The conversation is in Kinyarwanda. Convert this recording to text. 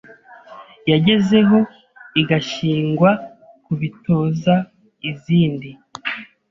yagezeho; igashingwa kubitoza izindi.